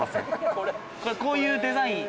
これこういうデザイン？